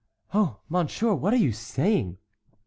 "Oh, Monsieur, what are you saying?"